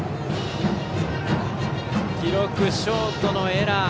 記録はショートのエラー。